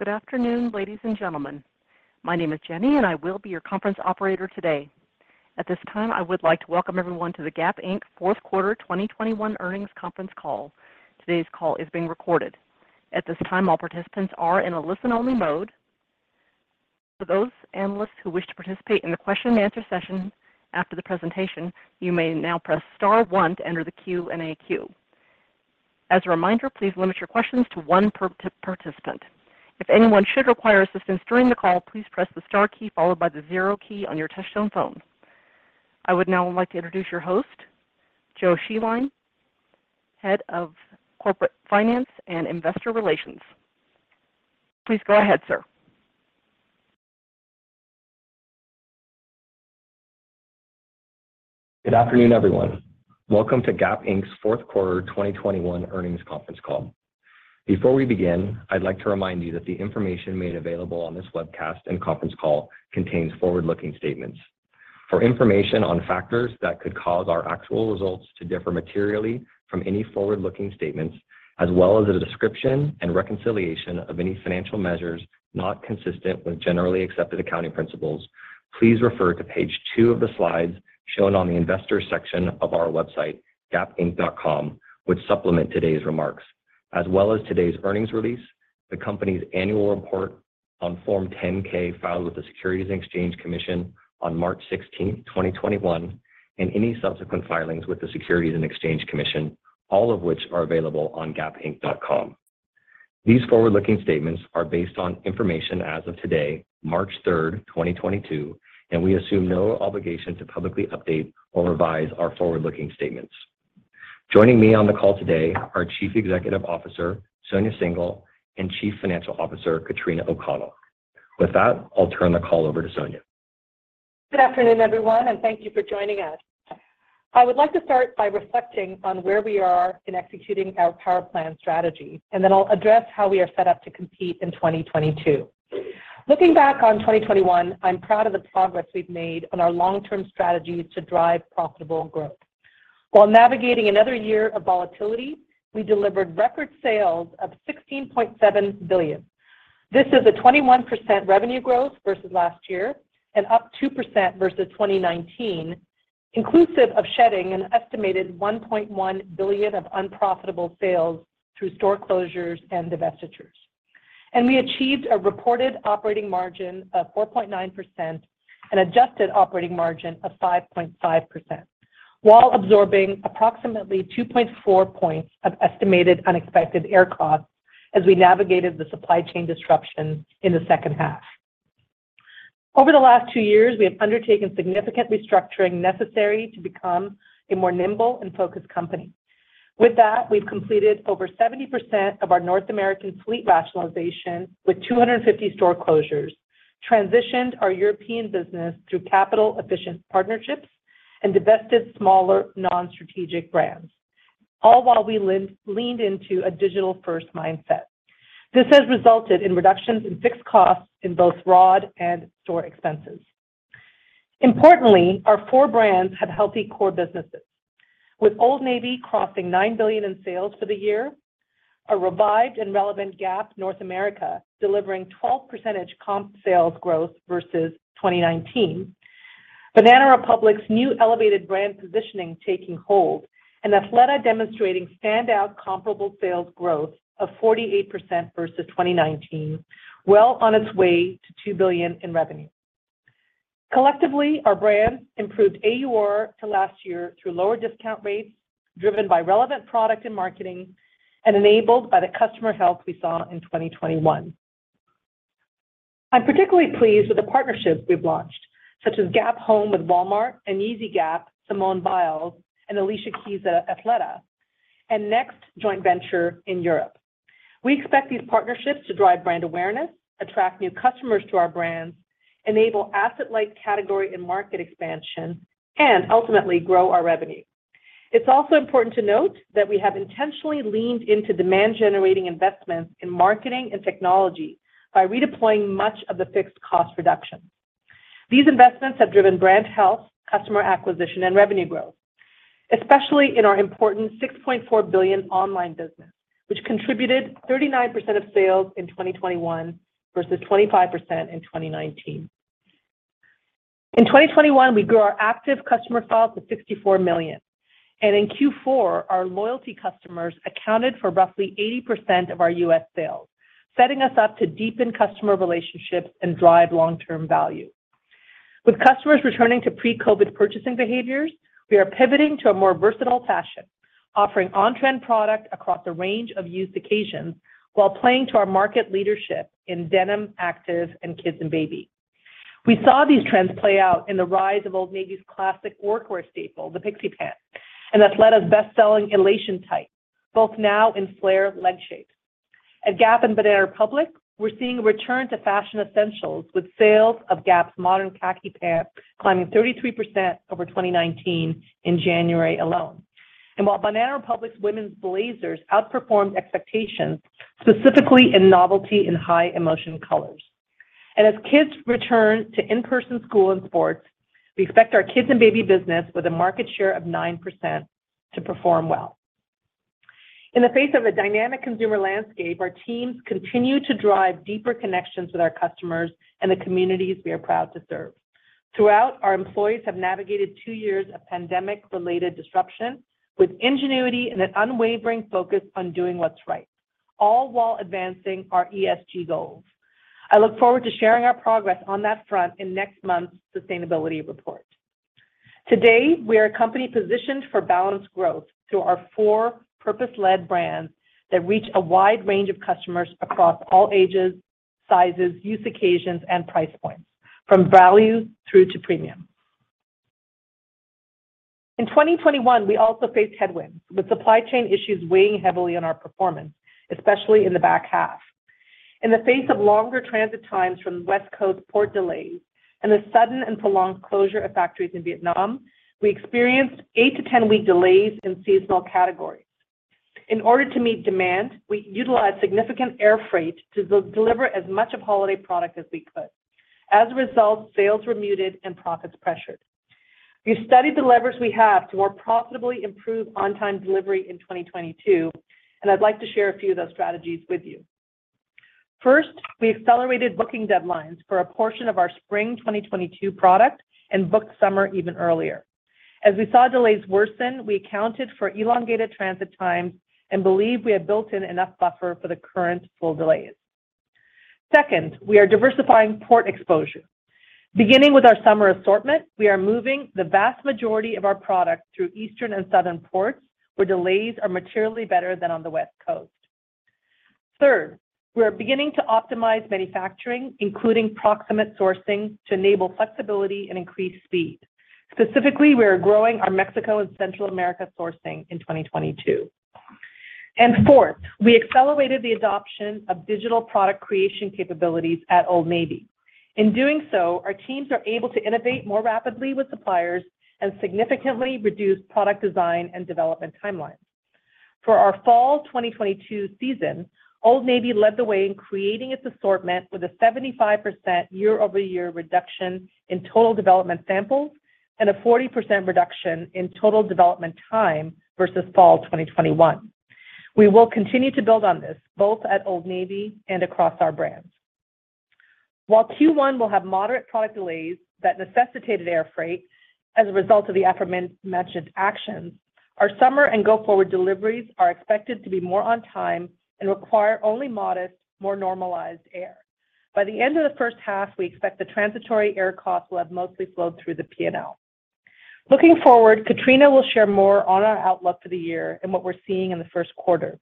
Good afternoon, ladies and gentlemen. My name is Jenny, and I will be your conference operator today. At this time, I would like to welcome everyone to the Gap Inc. Fourth Quarter 2021 earnings conference call. Today's call is being recorded. At this time, all participants are in a listen-only mode. For those analysts who wish to participate in the question and answer session after the presentation, you may now press star one to enter the Q&A queue. As a reminder, please limit your questions to one per participant. If anyone should require assistance during the call, please press the star key followed by the zero key on your touchtone phone. I would now like to introduce your host, Joe Scheeline, Head of Corporate Finance and Investor Relations. Please go ahead, sir. Good afternoon, everyone. Welcome to Gap Inc.'s 4th quarter 2021 earnings conference call. Before we begin, I'd like to remind you that the information made available on this webcast and conference call contains forward-looking statements. For information on factors that could cause our actual results to differ materially from any forward-looking statements, as well as a description and reconciliation of any financial measures not consistent with generally accepted accounting principles, please refer to page two of the slides shown on the investor section of our website, gapinc.com, which supplement today's remarks, as well as today's earnings release, the company's annual report on Form 10-K filed with the Securities and Exchange Commission on March 16th, 2021, and any subsequent filings with the Securities and Exchange Commission, all of which are available on gapinc.com. These forward-looking statements are based on information as of today, March 3rd, 2022, and we assume no obligation to publicly update or revise our forward-looking statements. Joining me on the call today are Chief Executive Officer Sonia Syngal and Chief Financial Officer Katrina O'Connell. With that, I'll turn the call over to Sonia. Good afternoon, everyone, and thank you for joining us. I would like to start by reflecting on where we are in executing our Power Plan strategy, and then I'll address how we are set up to compete in 2022. Looking back on 2021, I'm proud of the progress we've made on our long-term strategy to drive profitable growth. While navigating another year of volatility, we delivered record sales of $16.7 billion. This is a 21% revenue growth versus last year and up 2% versus 2019, inclusive of shedding an estimated $1.1 billion of unprofitable sales through store closures and divestitures. We achieved a reported operating margin of 4.9% and adjusted operating margin of 5.5% while absorbing approximately 2.4 points of estimated unexpected air costs as we navigated the supply chain disruption in the 2nd half. Over the last two years, we have undertaken significant restructuring necessary to become a more nimble and focused company. With that, we've completed over 70% of our North American fleet rationalization with 250 store closures, transitioned our European business through capital-efficient partnerships and divested smaller non-strategic brands, all while we leaned into a digital-1st mindset. This has resulted in reductions in fixed costs in both rent and store expenses. Importantly, our four brands have healthy core businesses with Old Navy crossing $9 billion in sales for the year, a revived and relevant Gap North America delivering 12% comp sales growth versus 2019, Banana Republic's new elevated brand positioning taking hold, and Athleta demonstrating standout comparable sales growth of 48% versus 2019, well on its way to $2 billion in revenue. Collectively, our brands improved AUR to last year through lower discount rates, driven by relevant product and marketing and enabled by the customer health we saw in 2021. I'm particularly pleased with the partnerships we've launched, such as Gap Home with Walmart and Yeezy Gap, Simone Biles, and Alicia Keys x Athleta, and Next joint venture in Europe. We expect these partnerships to drive brand awareness, attract new customers to our brands, enable asset-light category and market expansion, and ultimately grow our revenue. It's also important to note that we have intentionally leaned into demand-generating investments in marketing and technology by redeploying much of the fixed cost reduction. These investments have driven brand health, customer acquisition, and revenue growth, especially in our important $6.4 billion online business, which contributed 39% of sales in 2021 versus 25% in 2019. In 2021, we grew our active customer files to 64 million. In Q4, our loyalty customers accounted for roughly 80% of our U.S. sales, setting us up to deepen customer relationships and drive long-term value. With customers returning to pre-COVID purchasing behaviors, we are pivoting to a more versatile position, offering on-trend product across a range of use occasions while playing to our market leadership in denim, active, and kids and baby. We saw these trends play out in the rise of Old Navy's classic workwear staple, the Pixie Pant, and Athleta's best-selling Elation tight, both now in flare leg shape. At Gap and Banana Republic, we're seeing a return to fashion essentials with sales of Gap's modern khaki pant climbing 33% over 2019 in January alone. While Banana Republic's women's blazers outperformed expectations, specifically in novelty and high emotion colors. As kids return to in-person school and sports, we expect our kids and baby business with a market share of 9% to perform well. In the face of a dynamic consumer landscape, our teams continue to drive deeper connections with our customers and the communities we are proud to serve. Throughout, our employees have navigated two years of pandemic-related disruption with ingenuity and an unwavering focus on doing what's right, all while advancing our ESG goals. I look forward to sharing our progress on that front in Next month's sustainability report. Today, we are a company positioned for balanced growth through our four purpose-led brands that reach a wide range of customers across all ages, sizes, use occasions, and price points, from value through to premium. In 2021, we also faced headwinds, with supply chain issues weighing heavily on our performance, especially in the back half. In the face of longer transit times from West Coast port delays and the sudden and prolonged closure of factories in Vietnam, we experienced eigth to 10-week delays in seasonal categories. In order to meet demand, we utilized significant air freight to deliver as much of holiday product as we could. As a result, sales were muted and profits pressured. We've studied the levers we have to more profitably improve on-time delivery in 2022, and I'd like to share a few of those strategies with you. First, we accelerated booking deadlines for a portion of our spring 2022 product and booked summer even earlier. As we saw delays worsen, we accounted for elongated transit times and believe we have built in enough buffer for the current full delays. Second, we are diversifying port exposure. Beginning with our summer assortment, we are moving the vast majority of our product through eastern and southern ports, where delays are materially better than on the West Coast. Third, we are beginning to optimize manufacturing, including proximate sourcing, to enable flexibility and increase speed. Specifically, we are growing our Mexico and Central America sourcing in 2022. Fourth, we accelerated the adoption of digital product creation capabilities at Old Navy. In doing so, our teams are able to innovate more rapidly with suppliers and significantly reduce product design and development timelines. For our fall 2022 season, Old Navy led the way in creating its assortment with a 75% year-over-year reduction in total development samples and a 40% reduction in total development time versus fall 2021. We will continue to build on this, both at Old Navy and across our brands. While Q1 will have moderate product delays that necessitated air freight as a result of the aforementioned actions, our summer and go-forward deliveries are expected to be more on time and require only modest, more normalized air. By the end of the 1st half, we expect the transitory air costs will have mostly flowed through the P&L. Looking forward, Katrina will share more on our outlook for the year and what we're seeing in the 1st quarter.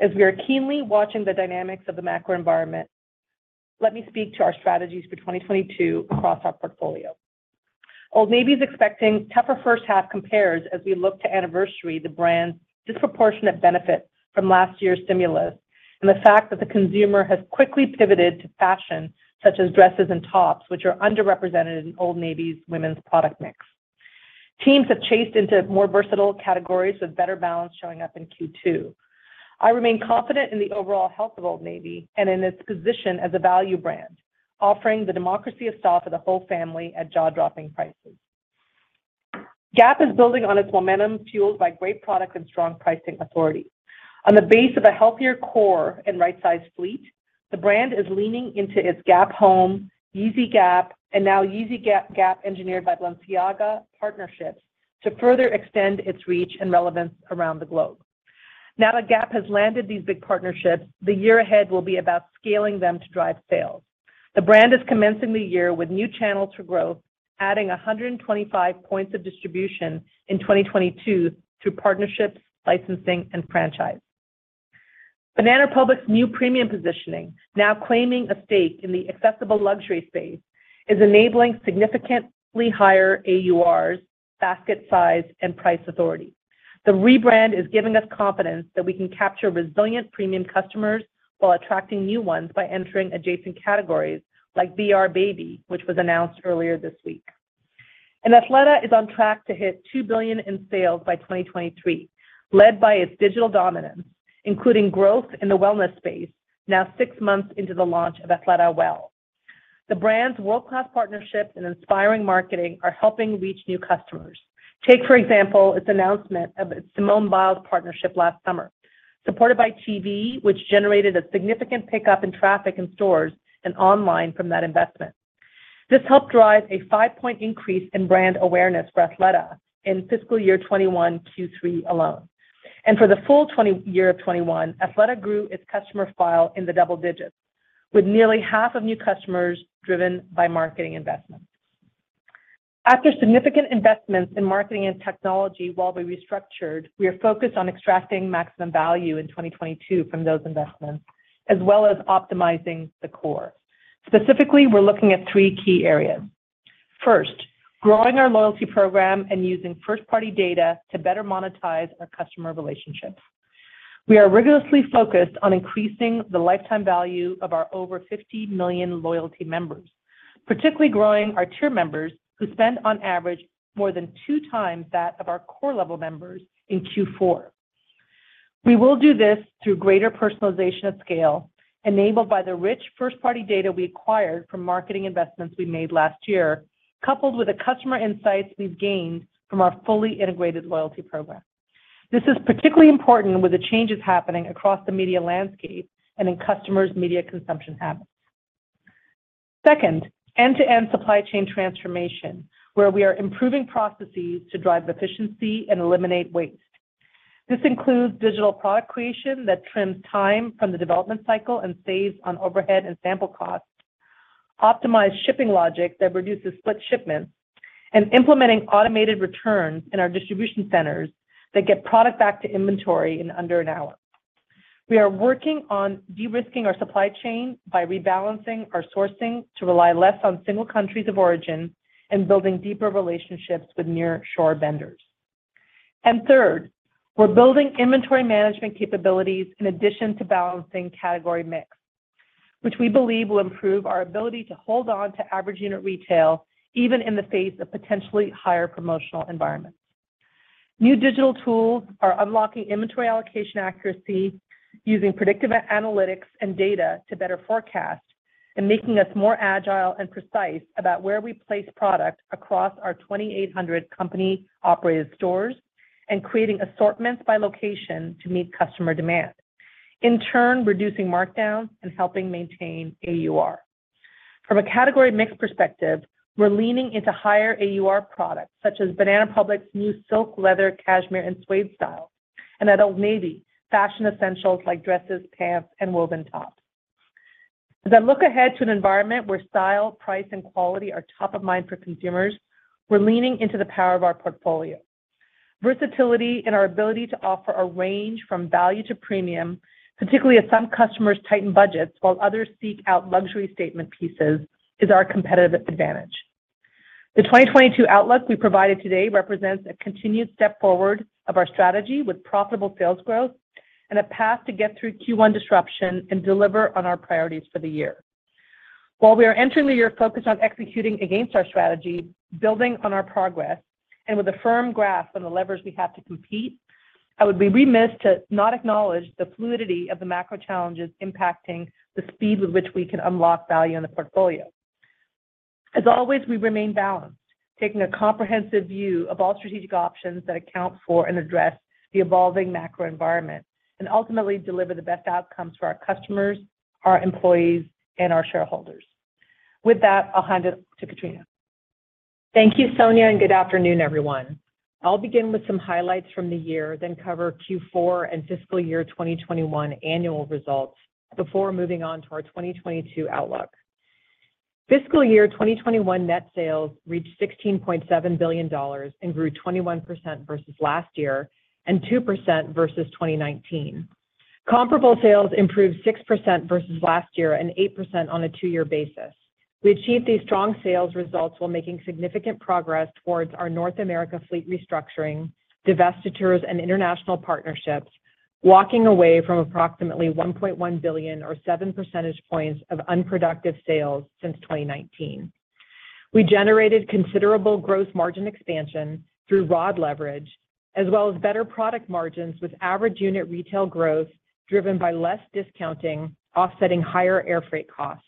As we are keenly watching the dynamics of the macro environment, let me speak to our strategies for 2022 across our portfolio. Old Navy is expecting tougher 1st half compares as we look to anniversary the brand's disproportionate benefit from last year's stimulus and the fact that the consumer has quickly pivoted to fashion such as dresses and tops, which are underrepresented in Old Navy's women's product mix. Teams have chased into more versatile categories with better balance showing up in Q2. I remain confident in the overall health of Old Navy and in its position as a value brand, offering the democracy of style for the whole family at jaw-dropping prices. Gap is building on its momentum fueled by great product and strong pricing authority. On the base of a healthier core and right-sized fleet, the brand is leaning into its Gap Home, Yeezy Gap, and now Yeezy Gap Engineered by Balenciaga partnerships to further extend its reach and relevance around the globe. Now that Gap has landed these big partnerships, the year ahead will be about scaling them to drive sales. The brand is commencing the year with new channels for growth, adding 125 points of distribution in 2022 through partnerships, licensing, and franchise. Banana Republic's new premium positioning, now claiming a stake in the accessible luxury space, is enabling significantly higher AURs, basket size, and price authority. The rebrand is giving us confidence that we can capture resilient premium customers while attracting new ones by entering adjacent categories like BR Baby, which was announced earlier this week. Athleta is on track to hit $2 billion in sales by 2023, led by its digital dominance, including growth in the wellness space, now six months into the launch of AthletaWell. The brand's world-class partnerships and inspiring marketing are helping reach new customers. Take, for example, its announcement of its Simone Biles partnership last summer, supported by TV, which generated a significant pickup in traffic in stores and online from that investment. This helped drive a 5 point increase in brand awareness for Athleta in fiscal year 2021 Q3 alone. For the full year of 2021, Athleta grew its customer file in the double digits, with nearly half of new customers driven by marketing investments. After significant investments in marketing and technology while we restructured, we are focused on extracting maximum value in 2022 from those investments, as well as optimizing the core. Specifically, we're looking at three key areas. First, growing our loyalty program and using 1st-party data to better monetize our customer relationships. We are rigorously focused on increasing the lifetime value of our over 50 million loyalty members, particularly growing our tier members who spend on average more than 2 times that of our core level members in Q4. We will do this through greater personalization at scale, enabled by the rich 1st-party data we acquired from marketing investments we made last year, coupled with the customer insights we've gained from our fully integrated loyalty program. This is particularly important with the changes happening across the media landscape and in customers' media consumption habits. Second, end-to-end supply chain transformation, where we are improving processes to drive efficiency and eliminate waste. This includes digital product creation that trims time from the development cycle and saves on overhead and sample costs, optimized shipping logic that reduces split shipments, and implementing automated returns in our distribution centers that get product back to inventory in under an hour. We are working on de-risking our supply chain by rebalancing our sourcing to rely less on single countries of origin and building deeper relationships with nearshore vendors. Third, we're building inventory management capabilities in addition to balancing category mix, which we believe will improve our ability to hold on to average unit retail even in the face of potentially higher promotional environments. New digital tools are unlocking inventory allocation accuracy using predictive analytics and data to better forecast and making us more agile and precise about where we place product across our 2,800 company-operated stores and creating assortments by location to meet customer demand, in turn reducing markdowns and helping maintain AUR. From a category mix perspective, we're leaning into higher AUR products such as Banana Republic's new silk, leather, cashmere, and suede styles, and at Old Navy, fashion essentials like dresses, pants, and woven tops. As I look ahead to an environment where style, price, and quality are top of mind for consumers, we're leaning into the power of our portfolio. Versatility in our ability to offer a range from value to premium, particularly as some customers tighten budgets while others seek out luxury statement pieces, is our competitive advantage. The 2022 outlook we provided today represents a continued step forward of our strategy with profitable sales growth and a path to get through Q1 disruption and deliver on our priorities for the year. While we are entering the year focused on executing against our strategy, building on our progress, and with a firm grasp on the levers we have to compete, I would be remiss to not acknowledge the fluidity of the macro challenges impacting the speed with which we can unlock value in the portfolio. As always, we remain balanced, taking a comprehensive view of all strategic options that account for and address the evolving macro environment and ultimately deliver the best outcomes for our customers, our employees, and our shareholders. With that, I'll hand it to Katrina. Thank you, Sonia, and good afternoon, everyone. I'll begin with some highlights from the year, then cover Q4 and fiscal year 2021 annual results before moving on to our 2022 outlook. Fiscal year 2021 net sales reached $16.7 billion and grew 21% versus last year and 2% versus 2019. Comparable sales improved 6% versus last year and 8% on a two-year basis. We achieved these strong sales results while making significant progress towards our North America fleet restructuring, divestitures, and international partnerships, walking away from approximately $1.1 billion or 7 percentage points of unproductive sales since 2019. We generated considerable gross margin expansion through ROD leverage as well as better product margins with average unit retail growth driven by less discounting offsetting higher air freight costs.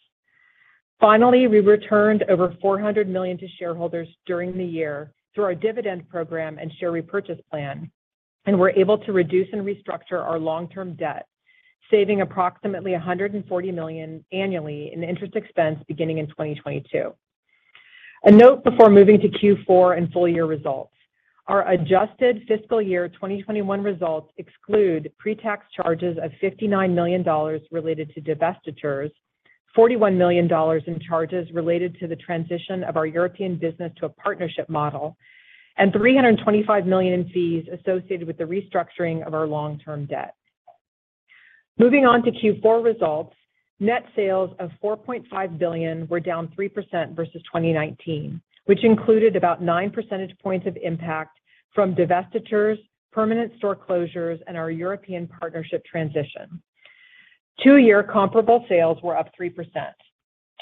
Finally, we returned over $400 million to shareholders during the year through our dividend program and share repurchase plan, and were able to reduce and restructure our long-term debt, saving approximately $140 million annually in interest expense beginning in 2022. A note before moving to Q4 and full-year results. Our adjusted fiscal year 2021 results exclude pre-tax charges of $59 million related to divestitures, $41 million in charges related to the transition of our European business to a partnership model, and $325 million in fees associated with the restructuring of our long-term debt. Moving on to Q4 results, net sales of $4.5 billion were down 3% versus 2019, which included about 9 percentage points of impact from divestitures, permanent store closures, and our European partnership transition. Two-year comparable sales were up 3%.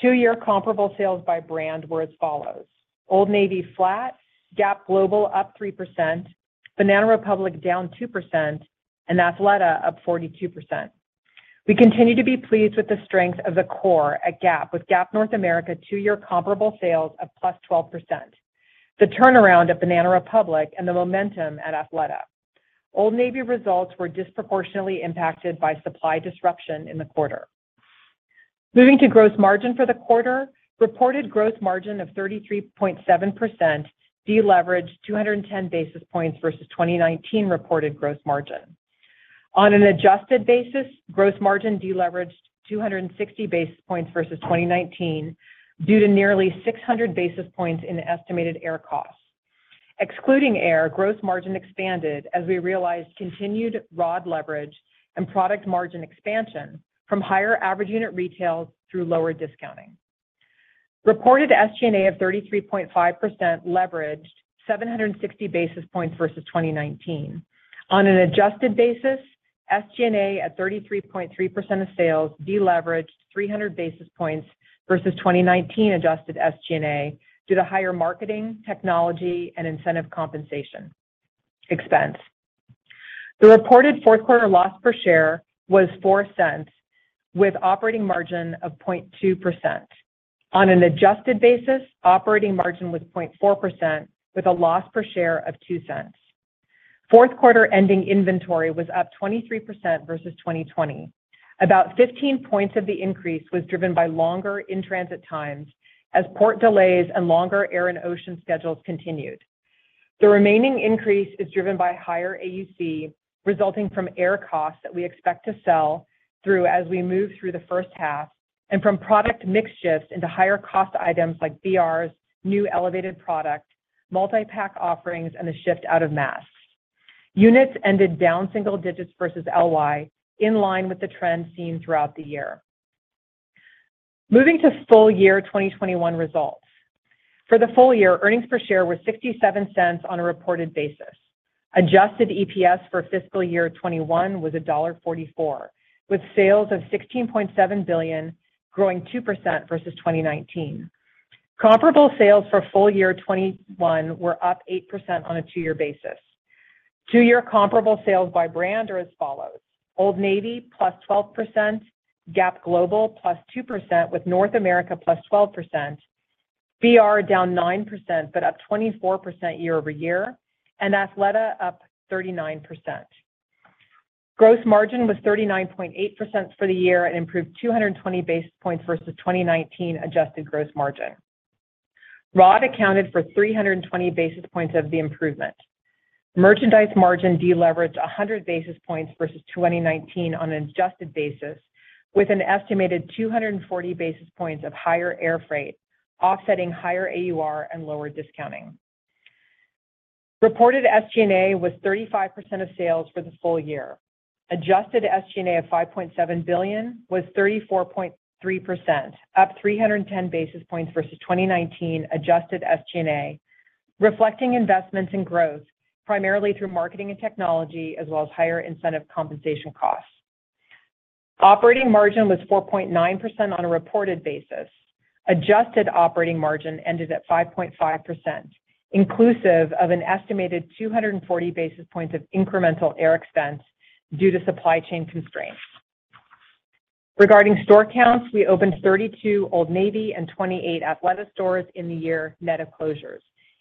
Two-year comparable sales by brand were as follows: Old Navy flat, Gap Global up 3%, Banana Republic down 2%, and Athleta up 42%. We continue to be pleased with the strength of the core at Gap, with Gap North America two-year comparable sales of +12%, the turnaround at Banana Republic, and the momentum at Athleta. Old Navy results were disproportionately impacted by supply disruption in the quarter. Moving to gross margin for the quarter, reported gross margin of 33.7% deleveraged 210 basis points versus 2019 reported gross margin. On an adjusted basis, gross margin deleveraged 260 basis points versus 2019 due to nearly 600 basis points in estimated air costs. Excluding air, gross margin expanded as we realized continued ROD leverage and product margin expansion from higher average unit retails through lower discounting. Reported SG&A of 33.5% leveraged 760 basis points versus 2019. On an adjusted basis, SG&A at 33.3% of sales deleveraged 300 basis points versus 2019 adjusted SG&A due to higher marketing, technology, and incentive compensation expense. The reported 4th quarter loss per share was $0.04 with operating margin of 0.2%. On an adjusted basis, operating margin was 0.4% with a loss per share of $0.02. Fourth quarter ending inventory was up 23% versus 2020. About 15 points of the increase was driven by longer in-transit times as port delays and longer air and ocean schedules continued. The remaining increase is driven by higher AUC, resulting from air costs that we expect to sell through as we move through the 1st half, and from product mix shifts into higher cost items like BR's new elevated product, multi-pack offerings, and a shift out of mass. Units ended down single digits versus LY, in line with the trend seen throughout the year. Moving to full year 2021 results. For the full year, earnings per share were $0.67 on a reported basis. Adjusted EPS for fiscal year 2021 was $1.44, with sales of $16.7 billion growing 2% versus 2019. Comparable sales for full year 2021 were up 8% on a two-year basis. Two-year comparable sales by brand are as follows: Old Navy +12%, Gap Global +2%, with North America +12%, BR -9%, but +24% year over year, and Athleta +39%. Gross margin was 39.8% for the year and improved 220 basis points versus 2019 adjusted gross margin. ROD accounted for 320 basis points of the improvement. Merchandise margin de-leveraged 100 basis points versus 2019 on an adjusted basis, with an estimated 240 basis points of higher air freight offsetting higher AUR and lower discounting. Reported SG&A was 35% of sales for the full year. Adjusted SG&A of $5.7 billion was 34.3%, up 310 basis points versus 2019 adjusted SG&A, reflecting investments in growth, primarily through marketing and technology, as well as higher incentive compensation costs. Operating margin was 4.9% on a reported basis. Adjusted operating margin ended at 5.5%, inclusive of an estimated 240 basis points of incremental SG&A expense due to supply chain constraints. Regarding store counts, we opened 32 Old Navy and 28 Athleta stores in the year net of closures,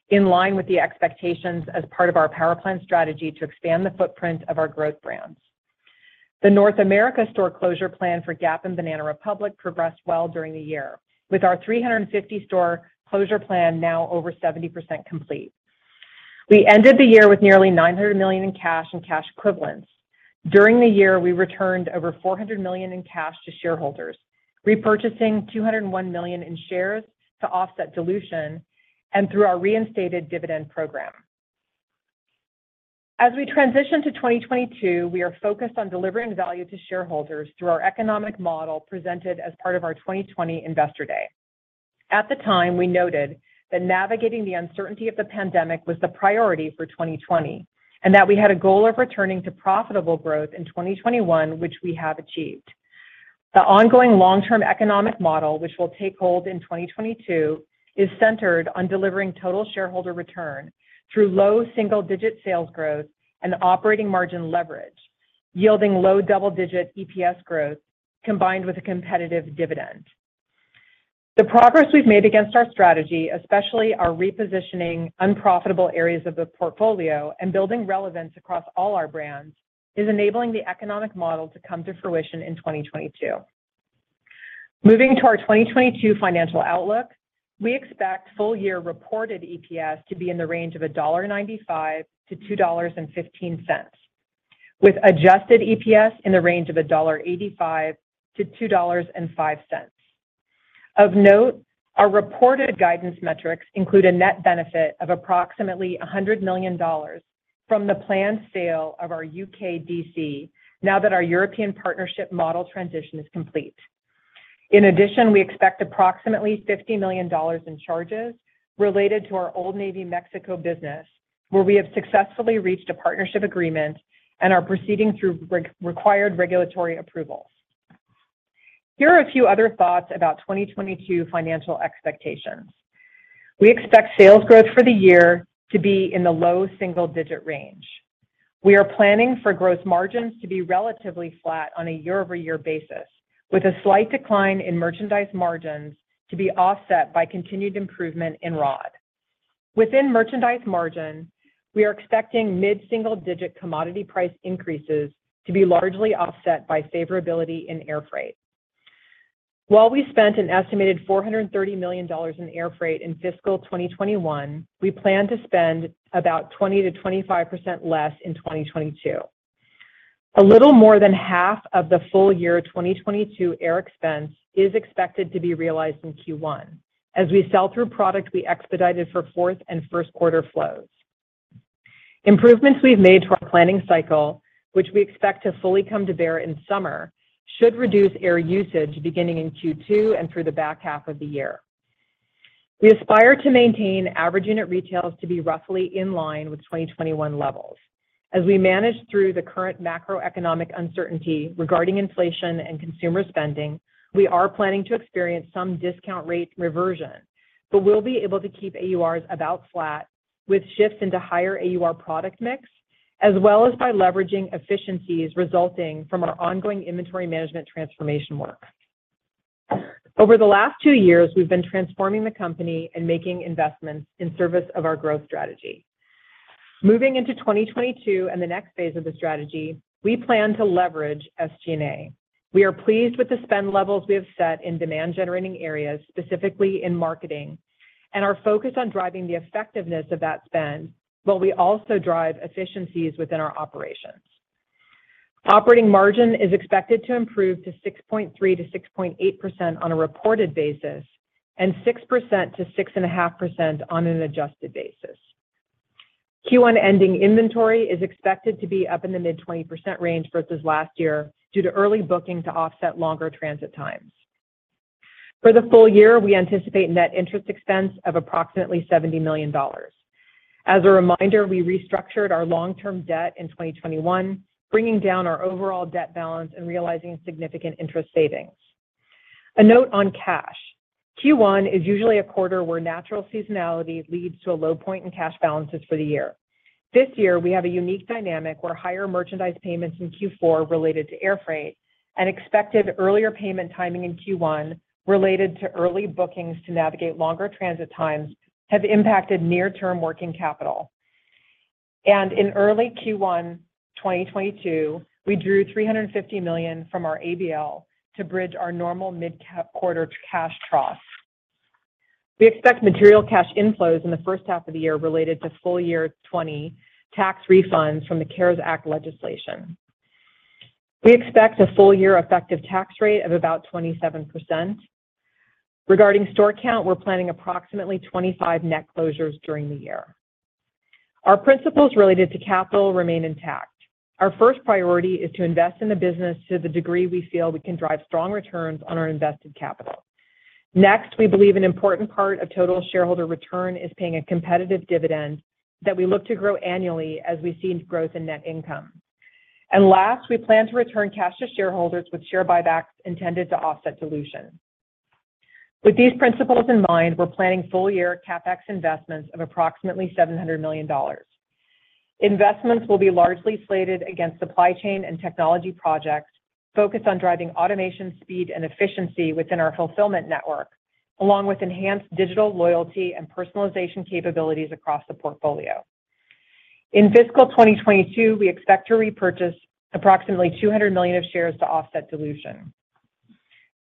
in line with the expectations as part of our Power Plan strategy to expand the footprint of our growth brands. The North America store closure plan for Gap and Banana Republic progressed well during the year, with our 350-store closure plan now over 70% complete. We ended the year with nearly $900 million in cash and cash equivalents. During the year, we returned over $400 million in cash to shareholders, repurchasing $201 million in shares to offset dilution and through our reinstated dividend program. As we transition to 2022, we are focused on delivering value to shareholders through our economic model presented as part of our 2020 Investor Day. At the time, we noted that navigating the uncertainty of the pandemic was the priority for 2020, and that we had a goal of returning to profitable growth in 2021, which we have achieved. The ongoing long-term economic model, which will take hold in 2022, is centered on delivering total shareholder return through low single-digit sales growth and operating margin leverage, yielding low-double-digit EPS growth combined with a competitive dividend. The progress we've made against our strategy, especially our repositioning unprofitable areas of the portfolio and building relevance across all our brands, is enabling the economic model to come to fruition in 2022. Moving to our 2022 financial outlook, we expect full-year reported EPS to be in the range of $1.95-$2.15, with adjusted EPS in the range of $1.85-$2.05. Of note, our reported guidance metrics include a net benefit of approximately $100 million from the planned sale of our U.K. DC now that our European partnership model transition is complete. In addition, we expect approximately $50 million in charges related to our Old Navy Mexico business, where we have successfully reached a partnership agreement and are proceeding through required regulatory approvals. Here are a few other thoughts about 2022 financial expectations. We expect sales growth for the year to be in the low single-digit range. We are planning for gross margins to be relatively flat on a year-over-year basis, with a slight decline in merchandise margins to be offset by continued improvement in ROD. Within merchandise margin, we are expecting mid-single-digit commodity price increases to be largely offset by favorability in air freight. While we spent an estimated $430 million in air freight in fiscal 2021, we plan to spend about 20%-25% less in 2022. A little more than half of the full year 2022 air expense is expected to be realized in Q1 as we sell through product we expedited for 4th and 1st quarter flows. Improvements we've made to our planning cycle, which we expect to fully come to bear in summer, should reduce air usage beginning in Q2 and through the back half of the year. We aspire to maintain average unit retails to be roughly in line with 2021 levels. As we manage through the current macroeconomic uncertainty regarding inflation and consumer spending, we are planning to experience some discount rate reversion. We'll be able to keep AURs about flat with shifts into higher AUR product mix, as well as by leveraging efficiencies resulting from our ongoing inventory management transformation work. Over the last two years, we've been transforming the company and making investments in service of our growth strategy. Moving into 2022 and the Next phase of the strategy, we plan to leverage SG&A. We are pleased with the spend levels we have set in demand generating areas, specifically in marketing, and are focused on driving the effectiveness of that spend, while we also drive efficiencies within our operations. Operating margin is expected to improve to 6.3%-6.8% on a reported basis and 6%-6.5% on an adjusted basis. Q1 ending inventory is expected to be up in the mid-20% range versus last year due to early booking to offset longer transit times. For the full year, we anticipate net interest expense of approximately $70 million. As a reminder, we restructured our long-term debt in 2021, bringing down our overall debt balance and realizing significant interest savings. A note on cash. Q1 is usually a quarter where natural seasonality leads to a low point in cash balances for the year. This year, we have a unique dynamic where higher merchandise payments in Q4 related to air freight and expected earlier payment timing in Q1 related to early bookings to navigate longer transit times have impacted near term working capital. In early Q1 2022, we drew $350 million from our ABL to bridge our normal mid-cap quarter cash trough. We expect material cash inflows in the 1st half of the year related to full year 2020 tax refunds from the CARES Act legislation. We expect a full year effective tax rate of about 27%. Regarding store count, we're planning approximately 25 net closures during the year. Our principles related to capital remain intact. Our 1st priority is to invest in the business to the degree we feel we can drive strong returns on our invested capital. Next, we believe an important part of total shareholder return is paying a competitive dividend that we look to grow annually as we see growth in net income. Last, we plan to return cash to shareholders with share buybacks intended to offset dilution. With these principles in mind, we're planning full-year CapEx investments of approximately $700 million. Investments will be largely slated against supply chain and technology projects focused on driving automation, speed, and efficiency within our fulfillment network, along with enhanced digital loyalty and personalization capabilities across the portfolio. In fiscal 2022, we expect to repurchase approximately 200 million shares to offset dilution.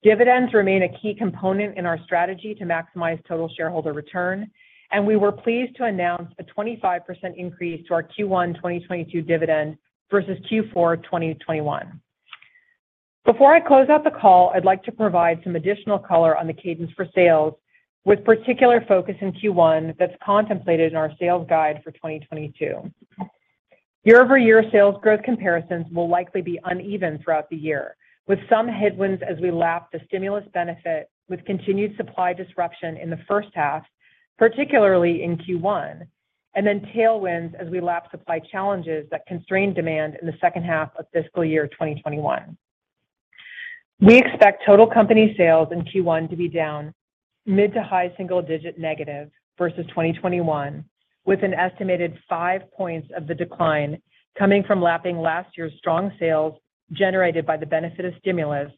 Dividends remain a key component in our strategy to maximize total shareholder return, and we were pleased to announce a 25% increase to our Q1 2022 dividend versus Q4 2021. Before I close out the call, I'd like to provide some additional color on the cadence for sales, with particular focus in Q1 that's contemplated in our sales guide for 2022. Year-over-year sales growth comparisons will likely be uneven throughout the year, with some headwinds as we lap the stimulus benefit with continued supply disruption in the 1st half, particularly in Q1, and then tailwinds as we lap supply challenges that constrained demand in the 2nd half of fiscal year 2021. We expect total company sales in Q1 to be down mid to high-single-digit negative versus 2021, with an estimated 5 points of the decline coming from lapping last year's strong sales generated by the benefit of stimulus,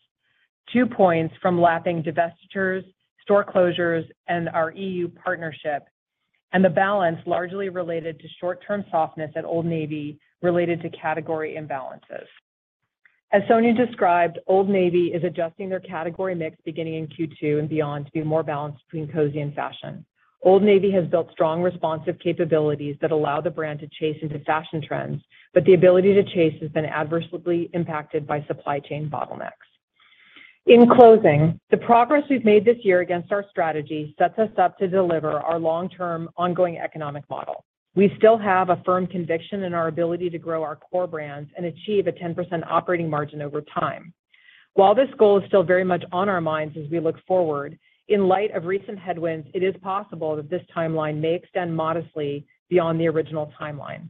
2 points from lapping divestitures, store closures, and our EU partnership, and the balance largely related to short-term softness at Old Navy related to category imbalances. As Sonia described, Old Navy is adjusting their category mix beginning in Q2 and beyond to be more balanced between cozy and fashion. Old Navy has built strong, responsive capabilities that allow the brand to chase into fashion trends, but the ability to chase has been adversely impacted by supply chain bottlenecks. In closing, the progress we've made this year against our strategy sets us up to deliver our long-term ongoing economic model. We still have a firm conviction in our ability to grow our core brands and achieve a 10% operating margin over time. While this goal is still very much on our minds as we look forward, in light of recent headwinds, it is possible that this timeline may extend modestly beyond the original timeline.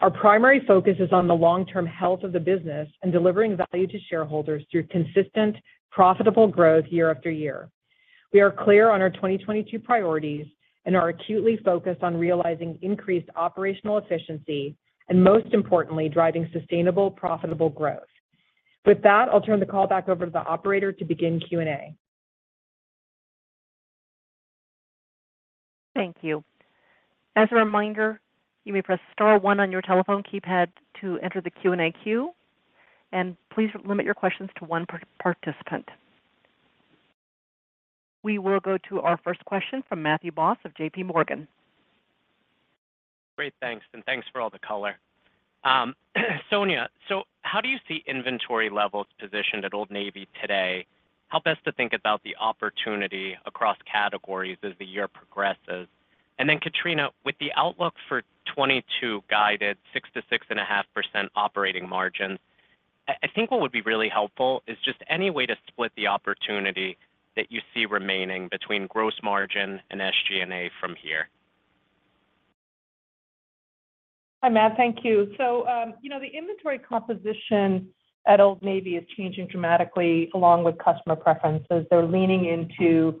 Our primary focus is on the long-term health of the business and delivering value to shareholders through consistent, profitable growth year after year. We are clear on our 2022 priorities and are acutely focused on realizing increased operational efficiency and most importantly, driving sustainable, profitable growth. With that, I'll turn the call back over to the operator to begin Q&A. Thank you. As a reminder, you may press star one on your telephone keypad to enter the Q&A queue, and please limit your questions to one per participant. We will go to our 1st question from Matthew Boss of J.P. Morgan. Great, thanks. Thanks for all the color. Sonia, how do you see inventory levels positioned at Old Navy today? Help us to think about the opportunity across categories as the year progresses. Katrina, with the outlook for 2022 guided 6%-6.5% operating margin, I think what would be really helpful is just any way to split the opportunity that you see remaining between gross margin and SG&A from here. Hi, Matt. Thank you. You know, the inventory composition at Old Navy is changing dramatically along with customer preferences. They're leaning into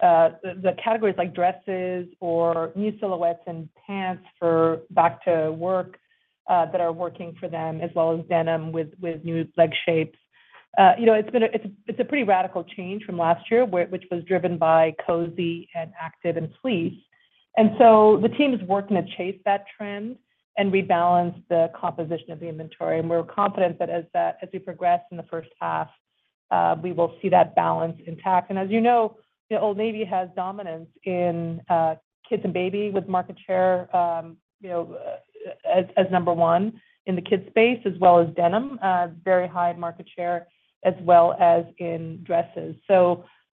the categories like dresses or new silhouettes and pants for back to work that are working for them, as well as denim with new leg shapes. You know, it's a pretty radical change from last year which was driven by cozy and active and fleece. The team is working to chase that trend and rebalance the composition of the inventory. We're confident that as we progress in the 1st half, we will see that balance intact. As you know, Old Navy has dominance in kids and baby with market share, you know, as number one in the kids space as well as denim, very high market share as well as in dresses.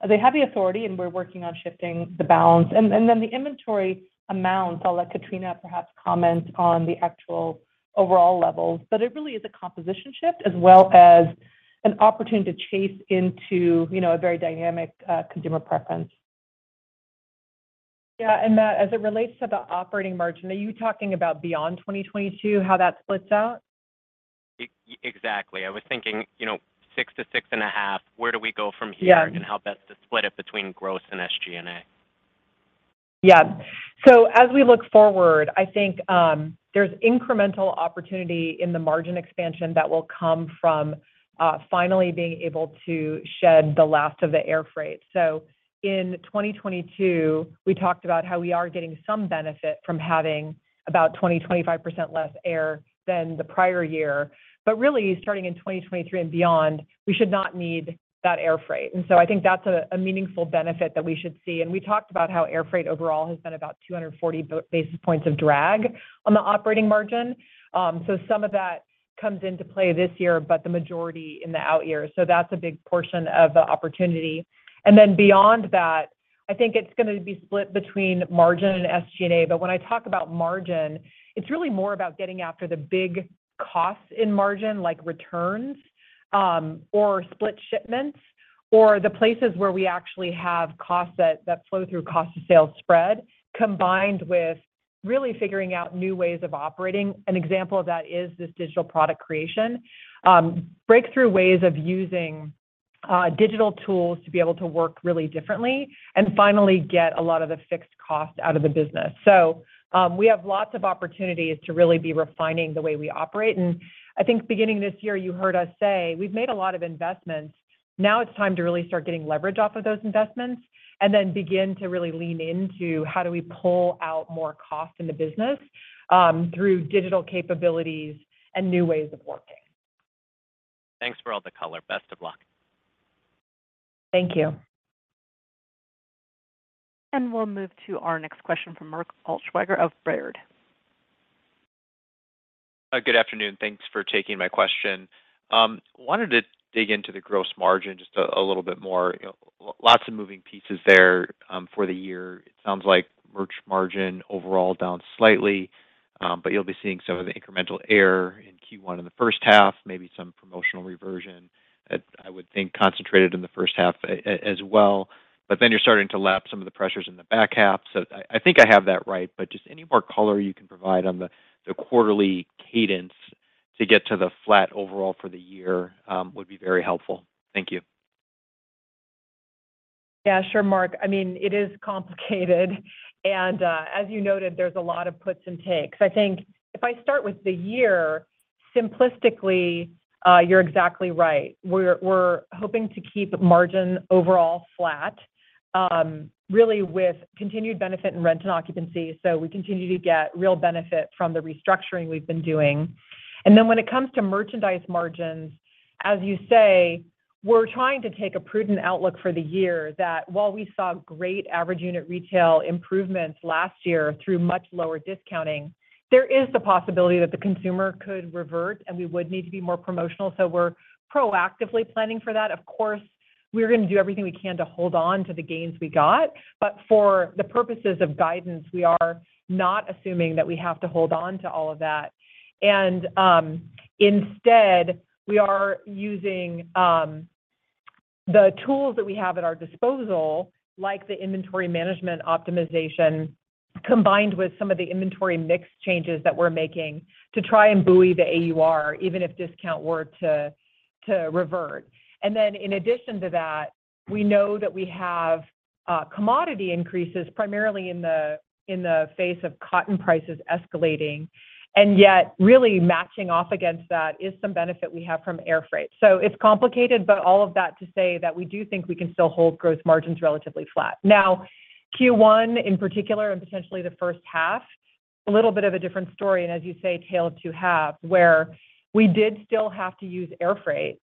They have the authority, and we're working on shifting the balance. Then the inventory amount, I'll let Katrina perhaps comment on the actual overall levels. It really is a composition shift as well as an opportunity to chase into, you know, a very dynamic consumer preference. Yeah. As it relates to the operating margin, are you talking about beyond 2022, how that splits out? Exactly. I was thinking, you know, 6%-6.5%, where do we go from here? Yeah. how best to split it between growth and SG&A? Yeah. As we look forward, I think, there's incremental opportunity in the margin expansion that will come from finally being able to shed the last of the air freight. In 2022, we talked about how we are getting some benefit from having about 20%-25% less air than the prior year. Really starting in 2023 and beyond, we should not need that air freight. I think that's a meaningful benefit that we should see. We talked about how air freight overall has been about 240 basis points of drag on the operating margin. Some of that comes into play this year, but the majority in the out years. That's a big portion of the opportunity. Then beyond that, I think it's gonna be split between margin and SG&A. When I talk about margin, it's really more about getting after the big costs in margin, like returns, or split shipments, or the places where we actually have costs that flow through cost of sales spread, combined with really figuring out new ways of operating. An example of that is this digital product creation, breakthrough ways of using, digital tools to be able to work really differently and finally get a lot of the fixed cost out of the business. We have lots of opportunities to really be refining the way we operate. I think beginning this year, you heard us say we've made a lot of investments. Now it's time to really start getting leverage off of those investments and then begin to really lean into how do we pull out more cost in the business, through digital capabilities and new ways of working. Thanks for all the color. Best of luck. Thank you. We'll move to our Next question from Mark Altschwager of Robert W. Baird & Co. Good afternoon. Thanks for taking my question. Wanted to dig into the gross margin just a little bit more. You know, lots of moving pieces there, for the year. It sounds like merch margin overall down slightly, but you'll be seeing some of the incremental AUR in Q1 in the 1st half, maybe some promotional reversion that I would think concentrated in the 1st half as well. You're starting to lap some of the pressures in the back half. I think I have that right, but just any more color you can provide on the quarterly cadence to get to the flat overall for the year, would be very helpful. Thank you. Yeah, sure, Mark. I mean, it is complicated. As you noted, there's a lot of puts and takes. I think if I start with the year, simplistically, you're exactly right. We're hoping to keep margin overall flat, really with continued benefit in rent and occupancy. We continue to get real benefit from the restructuring we've been doing. Then when it comes to merchandise margins, as you say, we're trying to take a prudent outlook for the year that while we saw great average unit retail improvements last year through much lower discounting, there is the possibility that the consumer could revert, and we would need to be more promotional. We're proactively planning for that. Of course, we're gonna do everything we can to hold on to the gains we got. For the purposes of guidance, we are not assuming that we have to hold on to all of that. Instead, we are using the tools that we have at our disposal, like the inventory management optimization, combined with some of the inventory mix changes that we're making to try and buoy the AUR, even if discount were to revert. In addition to that, we know that we have commodity increases primarily in the face of cotton prices escalating, and yet really matching off against that is some benefit we have from air freight. It's complicated, but all of that to say that we do think we can still hold gross margins relatively flat. Now, Q1 in particular and potentially the 1st half, a little bit of a different story, and as you say, tale of two halves, where we did still have to use air freight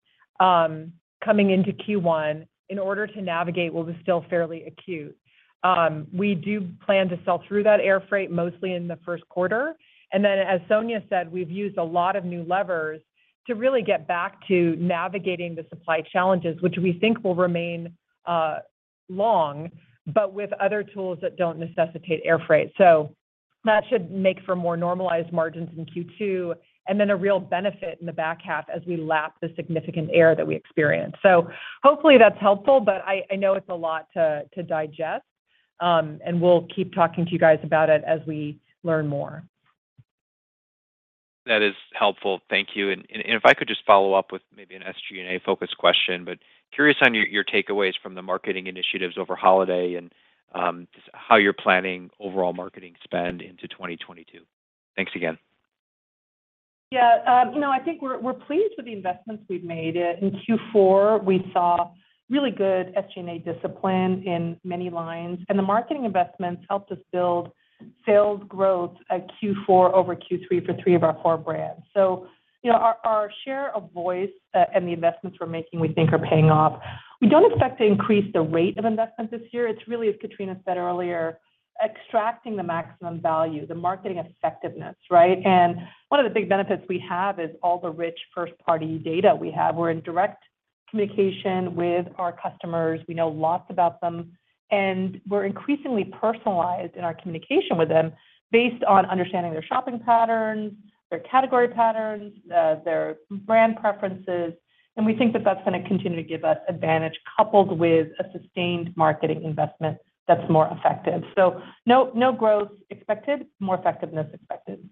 coming into Q1 in order to navigate what was still fairly acute. We do plan to sell through that air freight mostly in the 1st quarter. Then as Sonia said, we've used a lot of new levers to really get back to navigating the supply challenges, which we think will remain long, but with other tools that don't necessitate air freight. That should make for more normalized margins in Q2, and then a real benefit in the back half as we lap the significant air that we experienced. Hopefully that's helpful, but I know it's a lot to digest. We'll keep talking to you guys about it as we learn more. That is helpful. Thank you. If I could just follow up with maybe an SG&A focus question, but curious on your takeaways from the marketing initiatives over holiday and just how you're planning overall marketing spend into 2022. Thanks again. Yeah. No, I think we're pleased with the investments we've made. In Q4, we saw really good SG&A discipline in many lines, and the marketing investments helped us build sales growth at Q4 over Q3 for three of our four brands. You know, our share of voice and the investments we're making, we think are paying off. We don't expect to increase the rate of investment this year. It's really, as Katrina said earlier, extracting the maximum value, the marketing effectiveness, right? One of the big benefits we have is all the rich 1st party data we have. We're in direct communication with our customers. We know lots about them, and we're increasingly personalized in our communication with them based on understanding their shopping patterns, their category patterns, their brand preferences. We think that that's gonna continue to give us advantage coupled with a sustained marketing investment that's more effective. No growth expected, more effectiveness expected.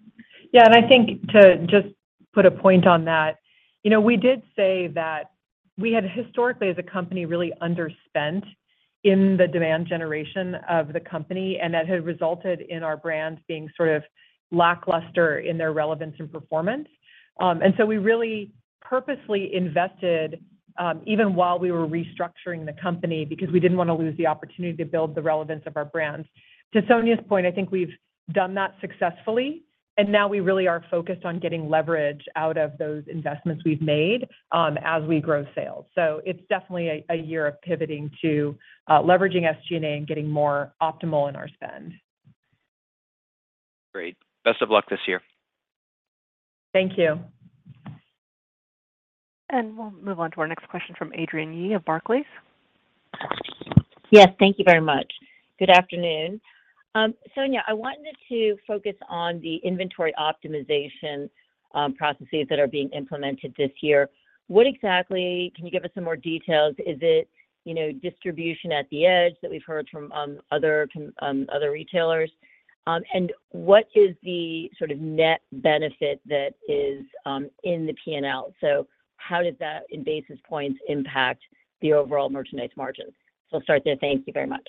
Yeah. I think to just put a point on that, you know, we did say that we had historically as a company, really underspent in the demand generation of the company, and that had resulted in our brands being sort of lackluster in their relevance and performance. We really purposely invested, even while we were restructuring the company, because we didn't wanna lose the opportunity to build the relevance of our brands. To Sonia's point, I think we've done that successfully, and now we really are focused on getting leverage out of those investments we've made, as we grow sales. It's definitely a year of pivoting to, leveraging SG&A and getting more optimal in our spend. Great. Best of luck this year. Thank you. We'll move on to our Next question from Adrienne Yih of Barclays. Yes. Thank you very much. Good afternoon. Sonia, I wanted to focus on the inventory optimization processes that are being implemented this year. What exactly can you give us some more details? Is it distribution at the edge that we've heard from other retailers? And what is the sort of net benefit that is in the P&L? How did that, in basis points, impact the overall merchandise margins? I'll start there. Thank you very much.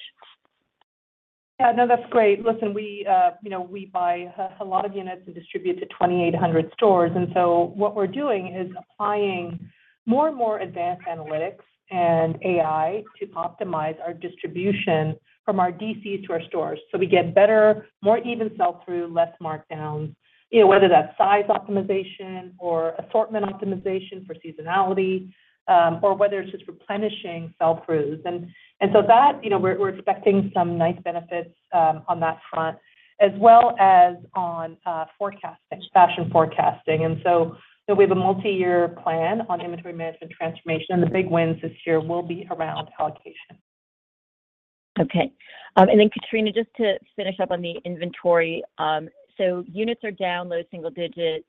Yeah, no, that's great. Listen, we, you know, we buy a lot of units and distribute to 2,800 stores, and what we're doing is applying more and more advanced analytics and AI to optimize our distribution from our DCs to our stores. We get better, more even sell-through, less markdowns. You know, whether that's size optimization or assortment optimization for seasonality, or whether it's just replenishing sell-throughs. That, you know, we're expecting some nice benefits on that front as well as on forecasting, fashion forecasting. We have a multi-year plan on inventory management transformation, and the big wins this year will be around allocation. Okay. Katrina, just to finish up on the inventory. Units are down low single digits.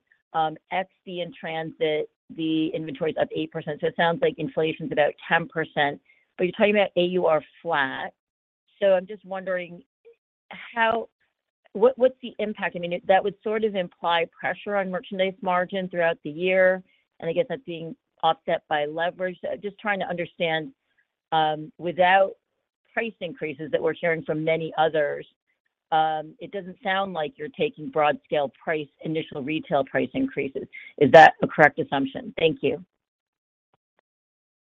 In-transit inventory's up 8%, so it sounds like inflation's about 10%. You're talking about AUR flat. I'm just wondering how—what's the impact? I mean, that would sort of imply pressure on merchandise margin throughout the year, and I guess that's being offset by leverage. Just trying to understand, without price increases that we're hearing from many others, it doesn't sound like you're taking broad scale price, initial retail price increases. Is that a correct assumption? Thank you.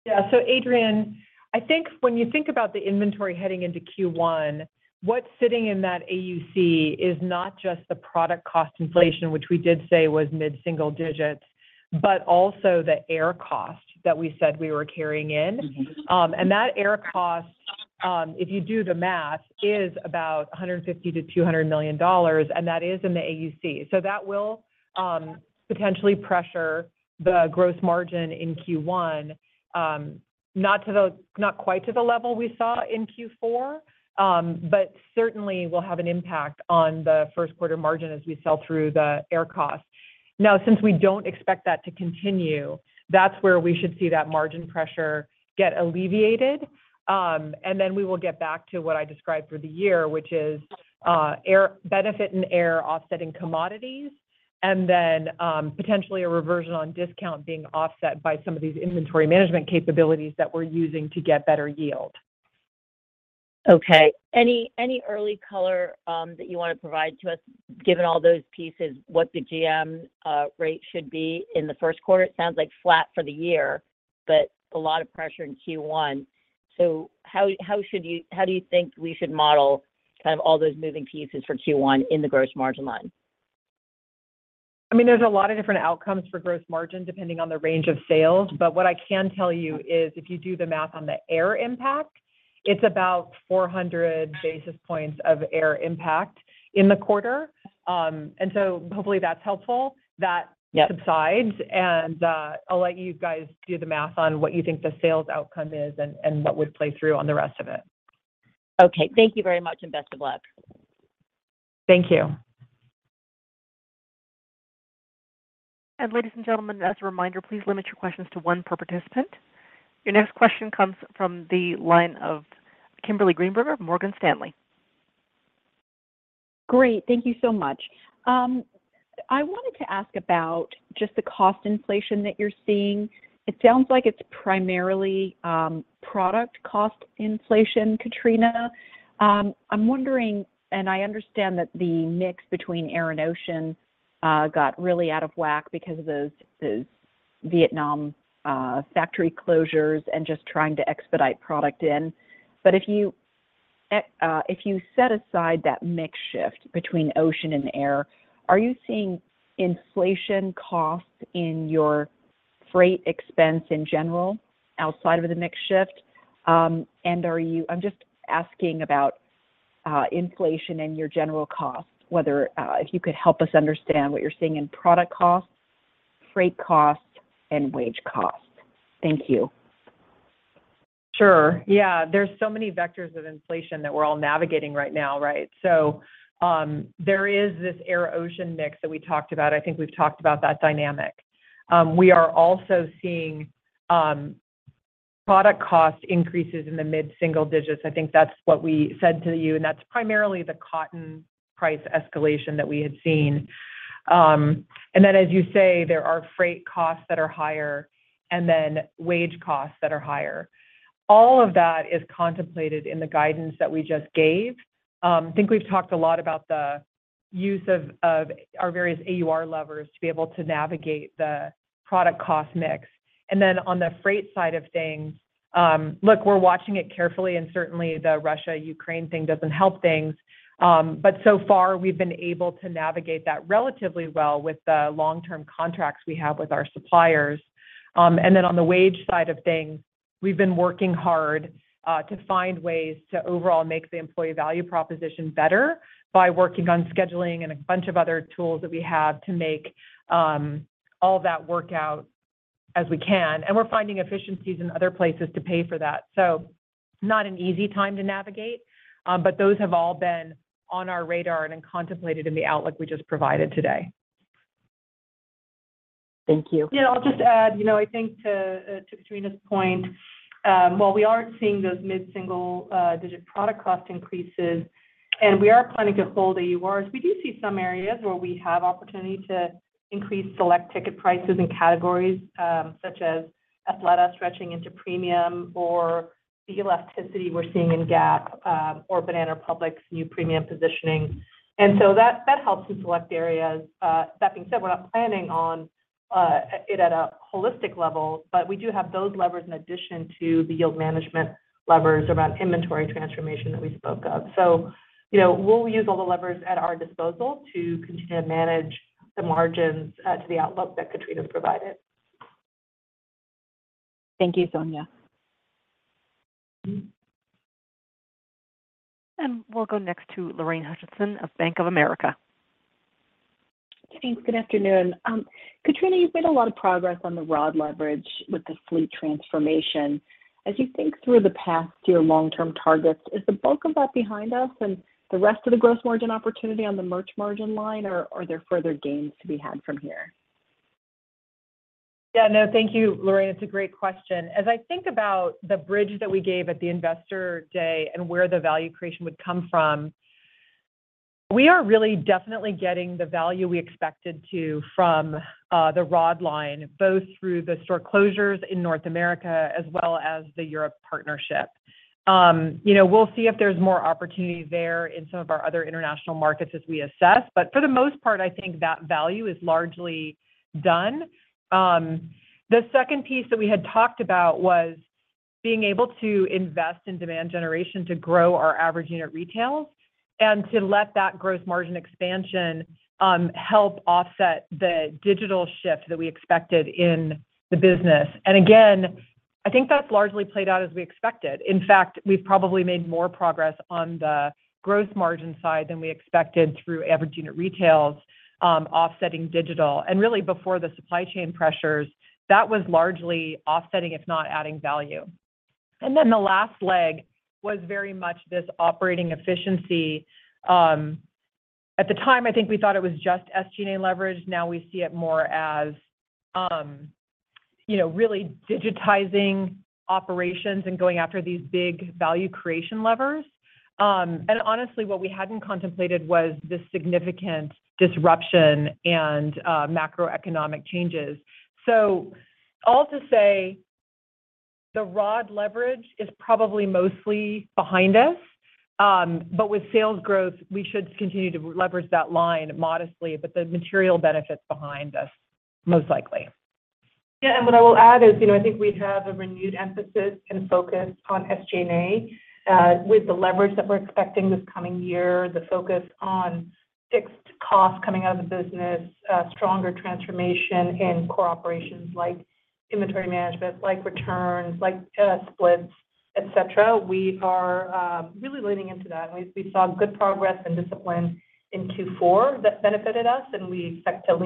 Yeah. Adrienne, I think when you think about the inventory heading into Q1, what's sitting in that AUC is not just the product cost inflation, which we did say was mid-single digits, but also the air cost that we said we were carrying in. Mm-hmm. That air cost, if you do the math, is about $150 million-$200 million, and that is in the AUC. So that will potentially pressure the gross margin in Q1. Not quite to the level we saw in Q4, but certainly will have an impact on the 1st quarter margin as we sell through the air cost. Now, since we don't expect that to continue, that's where we should see that margin pressure get alleviated. Then we will get back to what I described for the year, which is air benefit and air offsetting commodities and then potentially a reversion on discount being offset by some of these inventory management capabilities that we're using to get better yield. Okay. Any early color that you wanna provide to us, given all those pieces, what the GM rate should be in the 1st quarter? It sounds like flat for the year, but a lot of pressure in Q1. How do you think we should model kind of all those moving pieces for Q1 in the gross margin line? I mean, there's a lot of different outcomes for gross margin depending on the range of sales. What I can tell you is if you do the math on the AUR impact, it's about 400 basis points of AUR impact in the quarter. Hopefully that's helpful. Yep subsides and I'll let you guys do the math on what you think the sales outcome is and what would play through on the rest of it. Okay. Thank you very much and best of luck. Thank you. Ladies and gentlemen, as a reminder, please limit your questions to one per participant. Your Next question comes from the line of Kimberly Greenberger, Morgan Stanley. Great. Thank you so much. I wanted to ask about just the cost inflation that you're seeing. It sounds like it's primarily product cost inflation, Katrina. I'm wondering, and I understand that the mix between air and ocean got really out of whack because of those Vietnam factory closures and just trying to expedite product in. If you set aside that mix shift between ocean and air, are you seeing inflation costs in your freight expense in general outside of the mix shift? I'm just asking about inflation and your general cost, whether if you could help us understand what you're seeing in product costs, freight costs, and wage costs. Thank you. Sure. Yeah. There's so many vectors of inflation that we're all navigating right now, right? There is this air ocean mix that we talked about. I think we've talked about that dynamic. We are also seeing product cost increases in the mid-single digits. I think that's what we said to you, and that's primarily the cotton price escalation that we had seen. And then as you say, there are freight costs that are higher and then wage costs that are higher. All of that is contemplated in the guidance that we just gave. I think we've talked a lot about the use of our various AUR levers to be able to navigate the product cost mix. And then on the freight side of things, look, we're watching it carefully, and certainly, the Russia-Ukraine thing doesn't help things. So far, we've been able to navigate that relatively well with the long-term contracts we have with our suppliers. On the wage side of things, we've been working hard to find ways to overall make the employee value proposition better by working on scheduling and a bunch of other tools that we have to make all that work out as we can. We're finding efficiencies in other places to pay for that. Not an easy time to navigate, but those have all been on our radar and then contemplated in the outlook we just provided today. Thank you. Yeah, I'll just add, you know, I think to Katrina's point, while we are seeing those mid-single digit product cost increases, and we are planning to hold AURs, we do see some areas where we have opportunity to increase select ticket prices and categories, such as Athleta stretching into premium or the elasticity we're seeing in Gap, or Banana Republic's new premium positioning. That helps in select areas. That being said, we're not planning on it at a holistic level, but we do have those levers in addition to the yield management levers around inventory transformation that we spoke of. You know, we'll use all the levers at our disposal to continue to manage the margins to the outlook that Katrina provided. Thank you, Sonia. We'll go Next to Lorraine Hutchinson of Bank of America. Thanks. Good afternoon. Katrina, you've made a lot of progress on the ROD leverage with the fleet transformation. As you think through the past year long-term targets, is the bulk of that behind us and the rest of the gross margin opportunity on the merch margin line, or are there further gains to be had from here? Yeah, no. Thank you, Lorraine. It's a great question. As I think about the bridge that we gave at the Investor Day and where the value creation would come from, we are really definitely getting the value we expected to from the ROD line, both through the store closures in North America as well as the Europe partnership. You know, we'll see if there's more opportunity there in some of our other international markets as we assess. But for the most part, I think that value is largely done. The 2nd piece that we had talked about was being able to invest in demand generation to grow our average unit retail and to let that gross margin expansion help offset the digital shift that we expected in the business. Again, I think that's largely played out as we expected. In fact, we've probably made more progress on the gross margin side than we expected through average unit retails, offsetting digital. Really before the supply chain pressures, that was largely offsetting, if not adding value. Then the last leg was very much this operating efficiency. At the time, I think we thought it was just SG&A leverage. Now we see it more as, you know, really digitizing operations and going after these big value creation levers. Honestly, what we hadn't contemplated was the significant disruption and, macroeconomic changes. All to say, the ROD leverage is probably mostly behind us. With sales growth, we should continue to leverage that line modestly, but the material benefits behind us, most likely. Yeah. What I will add is, you know, I think we have a renewed emphasis and focus on SG&A. With the leverage that we're expecting this coming year, the focus on fixed costs coming out of the business, stronger transformation in core operations like inventory management, like returns, like splits, et cetera, we are really leaning into that. We saw good progress and discipline in 2024 that benefited us, and we expect to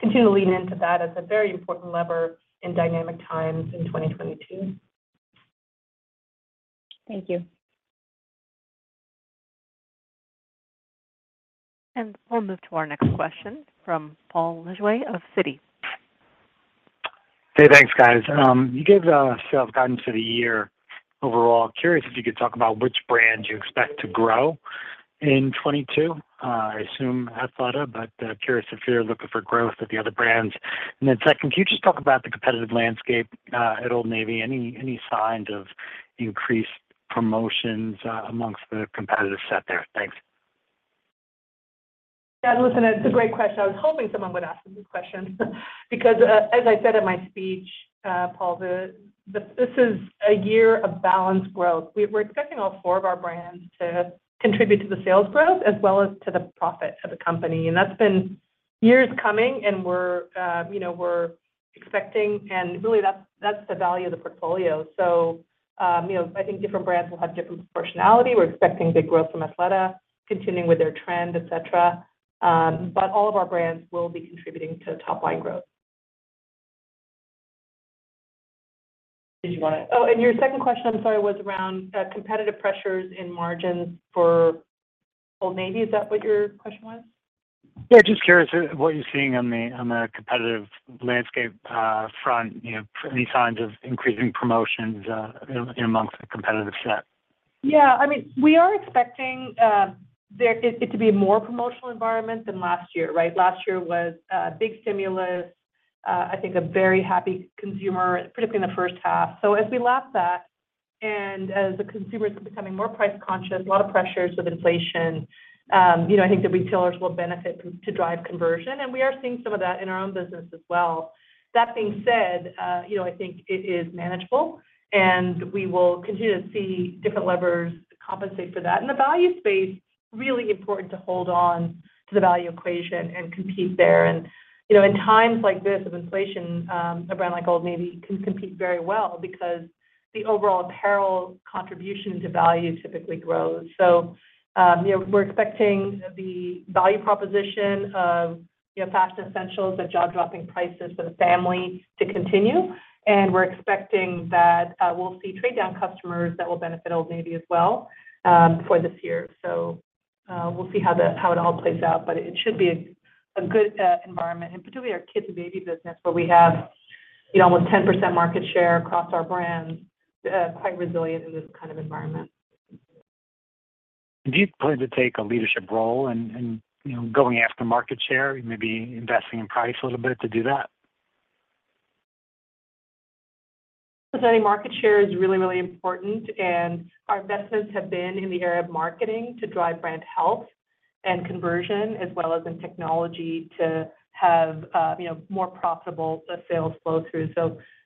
continue to lean into that as a very important lever in dynamic times in 2022. Thank you. We'll move to our Next question from Paul Lejuez of Citi. Hey, thanks, guys. You gave sales guidance for the year overall. Curious if you could talk about which brands you expect to grow in 2022. I assume Athleta, but curious if you're looking for growth at the other brands. Second, can you just talk about the competitive landscape at Old Navy? Any signs of increased promotions among the competitive set there? Thanks. Yeah, listen, it's a great question. I was hoping someone would ask this question because, as I said in my speech, Paul, this is a year of balanced growth. We're expecting all four of our brands to contribute to the sales growth as well as to the profit of the company. That's been years coming, and we're expecting. Really that's the value of the portfolio. You know, I think different brands will have different proportionality. We're expecting big growth from Athleta, continuing with their trend, et cetera. All of our brands will be contributing to top line growth. Did you wanna? Oh, and your 2nd question, I'm sorry, was around competitive pressures in margins for Old Navy. Is that what your question was? Yeah, just curious what you're seeing on the competitive landscape front, you know, any signs of increasing promotions among the competitive set? Yeah. I mean, we are expecting it to be a more promotional environment than last year, right? Last year was big stimulus. I think a very happy consumer, particularly in the 1st half. As we lap that, and as the consumer is becoming more price conscious, a lot of pressures with inflation, you know, I think the retailers will benefit to drive conversion, and we are seeing some of that in our own business as well. That being said, you know, I think it is manageable, and we will continue to see different levers to compensate for that. In the value space, really important to hold on to the value equation and compete there. You know, in times like this of inflation, a brand like Old Navy can compete very well because the overall apparel contribution to value typically grows. You know, we're expecting the value proposition of, you know, fast essentials at jaw-dropping prices for the family to continue, and we're expecting that we'll see trade down customers that will benefit Old Navy as well for this year. we'll see how it all plays out, but it should be a good environment. particularly our kids and baby business, where we have, you know, almost 10% market share across our brands, quite resilient in this kind of environment. Do you plan to take a leadership role in, you know, going after market share, maybe investing in price a little bit to do that? I think market share is really, really important, and our investments have been in the area of marketing to drive brand health and conversion as well as in technology to have more profitable sales flow through.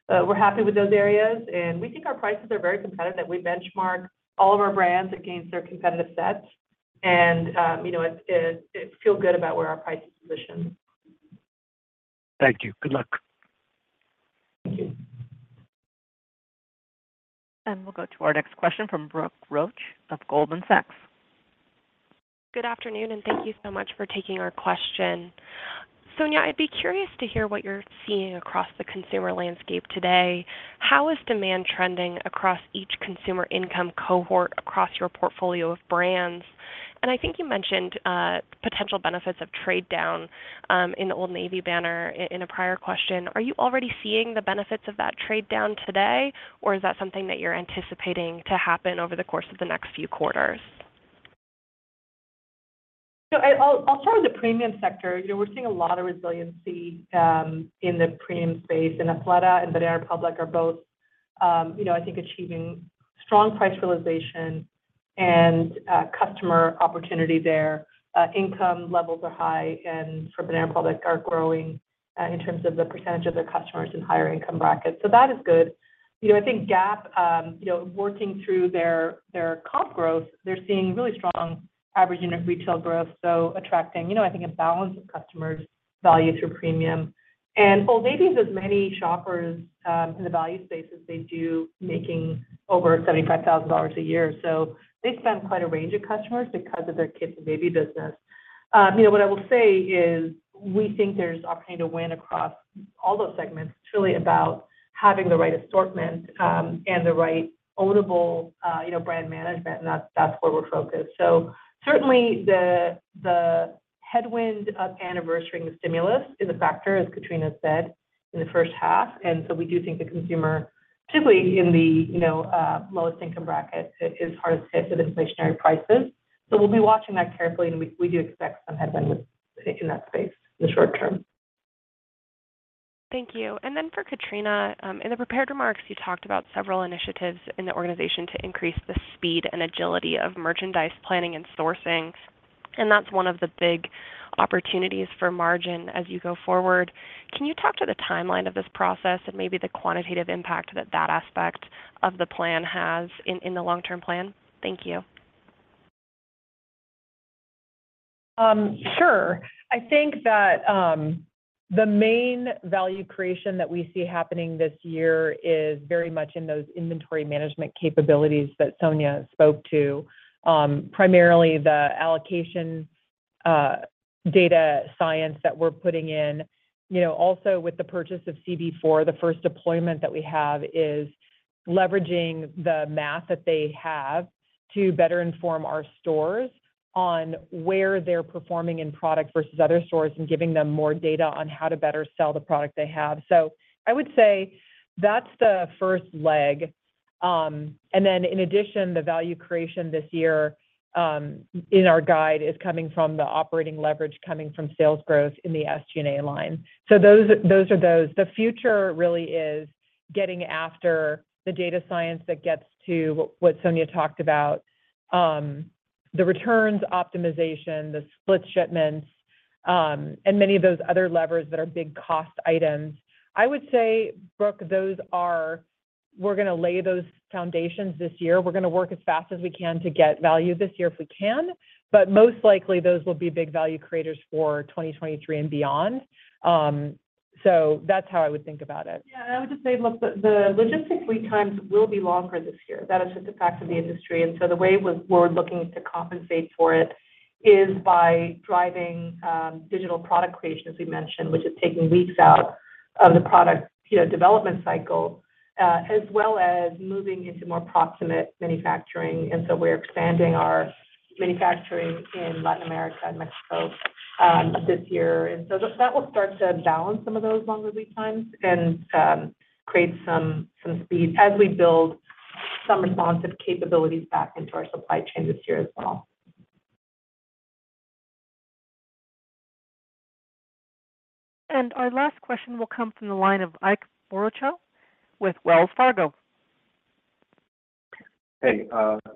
We're happy with those areas, and we think our prices are very competitive. We benchmark all of our brands against their competitive sets and feel good about where our price is positioned. Thank you. Good luck. Thank you. We'll go to our Next question from Brooke Roach of Goldman Sachs. Good afternoon, and thank you so much for taking our question. Sonia, I'd be curious to hear what you're seeing across the consumer landscape today. How is demand trending across each consumer income cohort across your portfolio of brands? I think you mentioned potential benefits of trade down in the Old Navy banner in a prior question. Are you already seeing the benefits of that trade down today, or is that something that you're anticipating to happen over the course of the Next few quarters? I'll start with the premium sector. You know, we're seeing a lot of resiliency in the premium space, and Athleta and Banana Republic are both, you know, I think achieving strong price realization and customer opportunity there. Income levels are high and for Banana Republic are growing in terms of the percentage of their customers in higher income brackets. That is good. You know, I think Gap you know, working through their comp growth, they're seeing really strong average unit retail growth. Attracting, you know, I think a balance of customers value through premium. Old Navy has as many shoppers in the value space as they do making over $75,000 a year. They span quite a range of customers because of their kids and baby business. You know, what I will say is we think there's opportunity to win across all those segments. It's really about having the right assortment, and the right ownable, you know, brand management, and that's where we're focused. Certainly the headwind of anniversarying the stimulus is a factor, as Katrina said, in the 1st half. We do think the consumer, typically in the, you know, lowest income bracket, is hardest hit with inflationary prices. We'll be watching that carefully, and we do expect some headwinds in that space in the short term. Thank you. Then for Katrina, in the prepared remarks, you talked about several initiatives in the organization to increase the speed and agility of merchandise planning and sourcing, and that's one of the big opportunities for margin as you go forward. Can you talk to the timeline of this process and maybe the quantitative impact that aspect of the plan has in the long-term plan? Thank you. Sure. I think that the main value creation that we see happening this year is very much in those inventory management capabilities that Sonia spoke to, primarily the allocation. Data science that we're putting in. You know, also with the purchase of CB4, the 1st deployment that we have is leveraging the math that they have to better inform our stores on where they're performing in product versus other stores and giving them more data on how to better sell the product they have. I would say that's the 1st leg. In addition, the value creation this year in our guide is coming from the operating leverage coming from sales growth in the SG&A line. Those are those. The future really is getting after the data science that gets to what Sonia talked about, the returns optimization, the split shipments, and many of those other levers that are big cost items. I would say, Brooke, we're gonna lay those foundations this year. We're gonna work as fast as we can to get value this year if we can, but most likely, those will be big value creators for 2023 and beyond. That's how I would think about it. Yeah. I would just say, look, the logistics lead times will be longer this year. That is just a fact of the industry. The way we're looking to compensate for it is by driving digital product creation, as we mentioned, which is taking weeks out of the product, you know, development cycle, as well as moving into more proximate manufacturing. We're expanding our manufacturing in Latin America and Mexico this year. That will start to balance some of those longer lead times and create some speed as we build some responsive capabilities back into our supply chain this year as well. Our last question will come from the line of Ike Boruchow with Wells Fargo. Hey,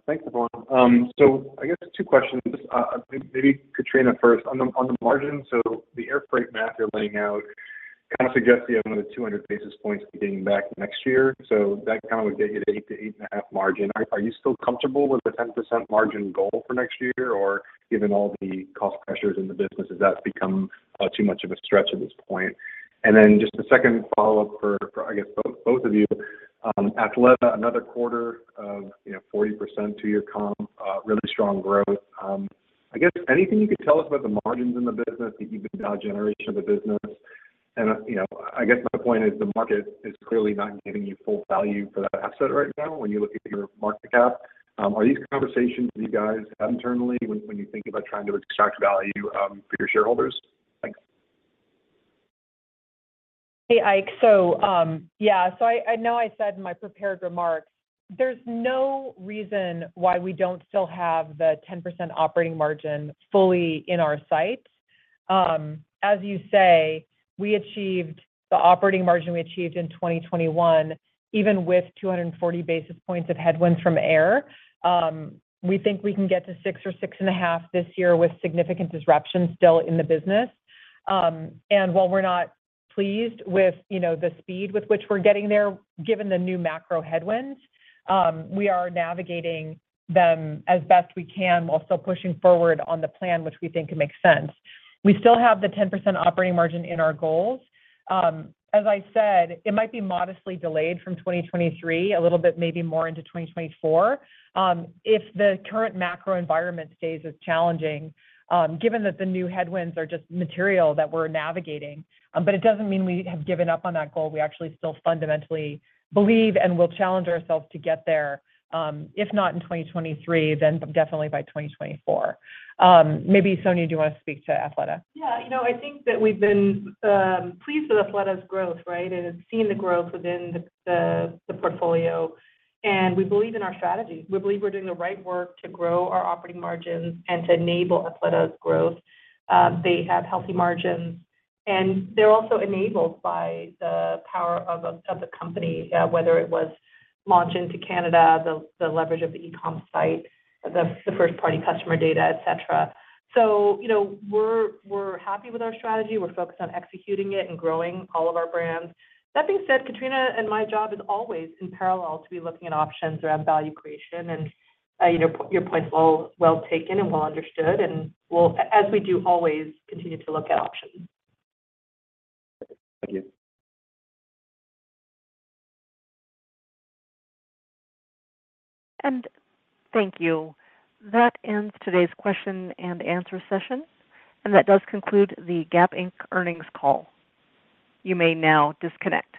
thanks. I guess two questions, maybe Katrina 1st. On the margin, the air freight math you're laying out kinda suggests you have another 200 basis points to give back Next year. That kinda would get you to 8%-8.5% margin. Are you still comfortable with the 10% margin goal for Next year? Or given all the cost pressures in the business, has that become too much of a stretch at this point? And then just a 2nd follow-up for I guess both of you. Athleta, another quarter of, you know, 40% two-year comp, really strong growth. I guess anything you could tell us about the margins in the business, the EBITDA generation of the business? You know, I guess my point is the market is clearly not giving you full value for that asset right now when you look at your market cap. Are these conversations you guys have internally when you think about trying to extract value for your shareholders? Thanks. Hey, Ike. I know I said in my prepared remarks, there's no reason why we don't still have the 10% operating margin fully in our sights. As you say, we achieved the operating margin we achieved in 2021, even with 240 basis points of headwind from air. We think we can get to 6% or 6.5% this year with significant disruption still in the business. While we're not pleased with, you know, the speed with which we're getting there, given the new macro headwinds, we are navigating them as best we can while still pushing forward on the plan, which we think makes sense. We still have the 10% operating margin in our goals. As I said, it might be modestly delayed from 2023, a little bit, maybe more into 2024, if the current macro environment stays as challenging, given that the new headwinds are just material that we're navigating. It doesn't mean we have given up on that goal. We actually still fundamentally believe and will challenge ourselves to get there, if not in 2023, then definitely by 2024. Maybe, Sonia, do you wanna speak to Athleta? Yeah. You know, I think that we've been pleased with Athleta's growth, right? Seeing the growth within the portfolio, and we believe in our strategy. We believe we're doing the right work to grow our operating margins and to enable Athleta's growth. They have healthy margins, and they're also enabled by the power of the company, whether it was launch into Canada, the leverage of the e-com site, the 1st-party customer data, et cetera. You know, we're happy with our strategy. We're focused on executing it and growing all of our brands. That being said, Katrina and my job is always in parallel to be looking at options around value creation and, you know, your point's well taken and well understood, and we'll, as we do always, continue to look at options. Thank you. Thank you. That ends today's question and answer session, and that does conclude the Gap Inc. earnings call. You may now disconnect.